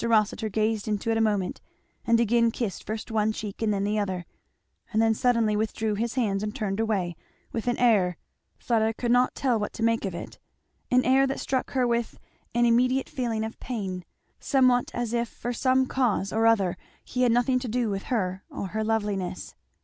Rossitur gazed into it a moment and again kissed first one cheek and then the other, and then suddenly withdrew his hands and turned away, with an air Fleda could not tell what to make of it an air that struck her with an immediate feeling of pain; somewhat as if for some cause or other he had nothing to do with her or her loveliness.